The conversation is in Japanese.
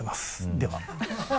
では。